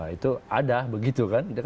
itu ada begitu kan